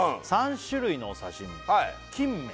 「３種類のお刺身きんめ」